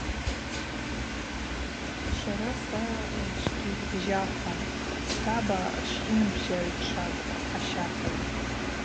Швара са швгьызбжьахуам, саба швйынбжьагӏвчвапӏ ащардагӏв.